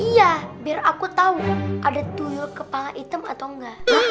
iya biar aku tau ada tuyul kepala hitam atau enggak